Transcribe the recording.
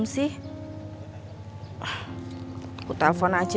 rendi ini udah sampai apa belum